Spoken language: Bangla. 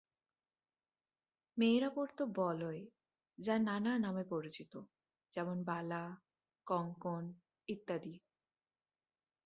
মেয়েরা পরত বলয় যা নানা নামে পরিচিত, যেমন বালা, কঙ্কন ইত্যাদি।